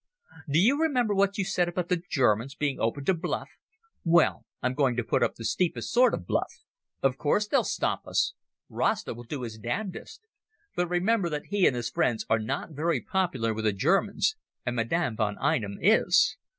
"Do you remember what you said about the Germans being open to bluff? Well, I'm going to put up the steepest sort of bluff. Of course they'll stop us. Rasta will do his damnedest. But remember that he and his friends are not very popular with the Germans, and Madame von Einem is.